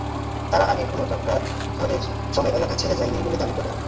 তারা আগে কোনো ঝড়ের সময়ই এলাকা ছেড়ে যায়নি বলে দাবি করে।